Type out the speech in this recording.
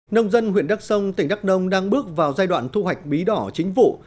nông dân huyện đắc sông tỉnh đắc đông đang bước vào giai đoạn thu hoạch bí đỏ chính vụ